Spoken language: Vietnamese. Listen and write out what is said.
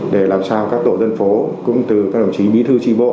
để làm sao các tổ dân phố cũng từ các đồng chí bí thư tri bộ